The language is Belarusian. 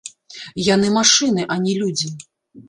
Яны, машыны, а не людзі.